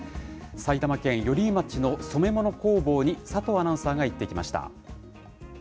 埼玉県寄居町の染め物工房に、佐藤アナウンサーが行ってきました。